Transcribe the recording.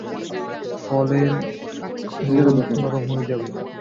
ফলে নুডলস নরম হয়ে যাবে।